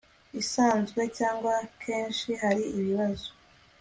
isanzwe cyangwa kenshi hari ibibazo